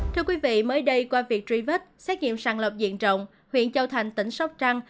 thưa quý vị mới đây qua việc truy vết xét nghiệm sàng lọc diện rộng huyện châu thành tỉnh sóc trăng